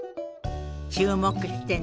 注目してね。